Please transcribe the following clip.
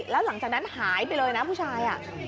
แล้วหลังจากนั้นหายไปเลยนะผู้ชาย